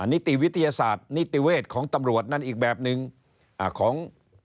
นิติวิทยาศาสตร์นิติเวชของตำรวจนั่นอีกแบบหนึ่งของ